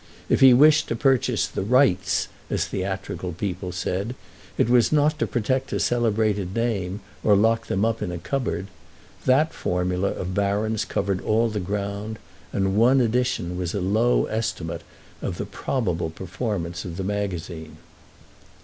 If he wished to purchase the "rights," as theatrical people said, it was not to protect a celebrated name or to lock them up in a cupboard. That formula of Baron's covered all the ground, and one edition was a low estimate of the probable performance of the magazine.